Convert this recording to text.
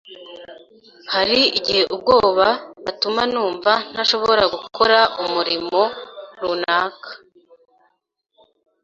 “Hari igihe ubwoba butuma numva ntashobora gukora imirimo runaka